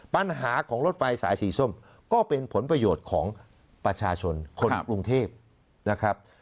ปัญหาของรถไฟสายสีส้มก็เป็นผลประโยชน์ของประชาชนคนกรุงเทพนะครับ